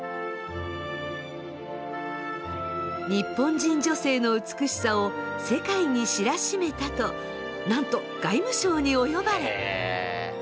日本人女性の美しさを世界に知らしめたとなんと外務省にお呼ばれ。